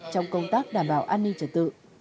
trong công tác đảm bảo an ninh trật tự